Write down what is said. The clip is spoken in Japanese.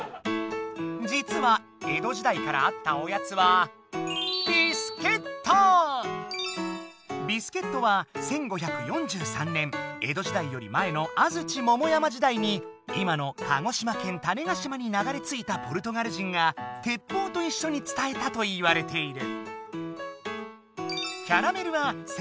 じつは江戸時代からあったおやつはビスケットは１５４３年江戸時代より前の安土桃山時代に今の鹿児島県種子島に流れ着いたポルトガル人が鉄砲といっしょに伝えたといわれている。